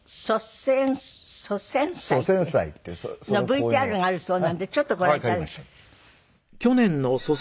ＶＴＲがあるそうなんでちょっとご覧頂いて。